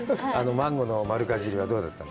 マンゴーの丸かじりはどうだったの？